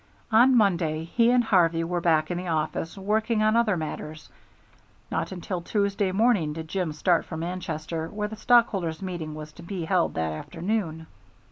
On Monday he and Harvey were back in the office working on other matters. Not until Tuesday morning did Jim start for Manchester, where the stockholders' meeting was to be held that afternoon.